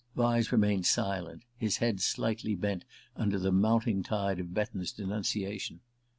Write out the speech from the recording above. Vyse remained silent, his head slightly bent under the mounting tide of Betton's denunciation.